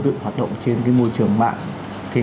tự hoạt động trên cái môi trường mạng trên